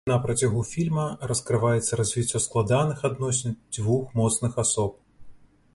На працягу фільма раскрываецца развіццё складаных адносін дзвюх моцных асоб.